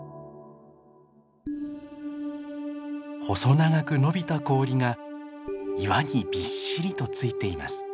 細長く伸びた氷が岩にびっしりとついています。